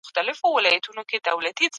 ستاينې او وياړنې کوم خدمت نه دی.